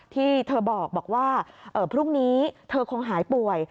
ที่เธอบอกว่าพรุ่งนี้เธอคงหายป่วย